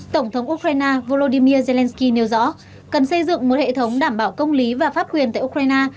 tổng thống ukraine volodymyr zelensky nêu rõ cần xây dựng một hệ thống đảm bảo công lý và pháp quyền tại ukraine